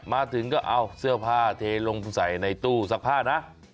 มาถึงก็เอาเสื้อผ้าเทลงใส่ในตู้ซักผ้านะ